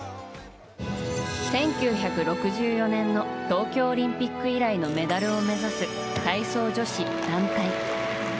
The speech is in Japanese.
１９６４年の東京オリンピック以来のメダルを目指す体操女子団体。